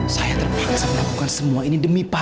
saya terpaksa melakukan semua ini demi